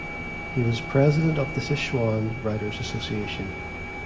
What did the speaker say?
He was president of Sichuan Writers Association.